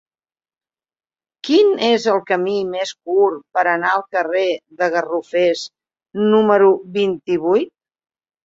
Quin és el camí més curt per anar al carrer dels Garrofers número vint-i-vuit?